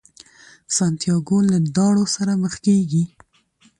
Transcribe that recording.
سانتیاګو له داړو سره مخ کیږي.